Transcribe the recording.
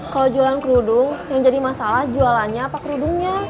kalau jualan kerudung yang jadi masalah jualannya apa kerudungnya